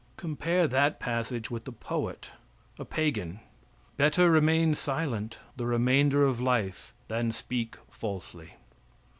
Compare that passage with the poet, a pagan: "Better remain silent the remainder of life than speak falsely."